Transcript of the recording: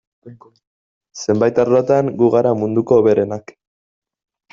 Zenbait arlotan gu gara munduko hoberenak.